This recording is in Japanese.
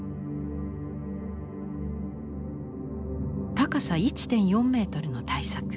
高さ１．４メートルの大作。